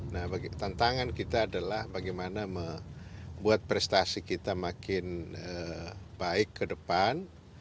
nah bagi tantangan kita adalah bagaimana membuat prestasi kita makin baik ke depan